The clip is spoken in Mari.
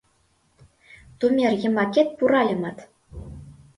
Тумер йымакет пуральымат